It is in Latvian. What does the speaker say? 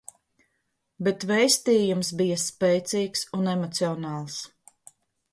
Bet vēstījums bija spēcīgs un emocionāls.